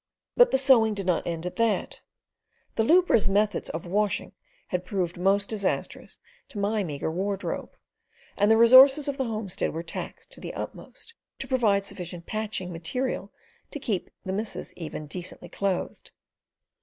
But the sewing did not end at that. The lubras' methods of washing had proved most disastrous to my meagre wardrobe; and the resources of the homestead were taxed to the utmost to provide sufficient patching material to keep the missus even decently clothed.